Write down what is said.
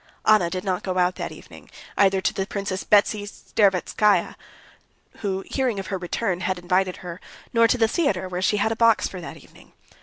Anna did not go out that evening either to the Princess Betsy Tverskaya, who, hearing of her return, had invited her, nor to the theater, where she had a box for that evening.